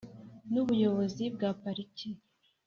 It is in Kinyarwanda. n’ubuyobozi bwa pariki